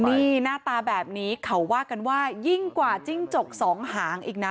นี่หน้าตาแบบนี้เขาว่ากันว่ายิ่งกว่าจิ้งจกสองหางอีกนะ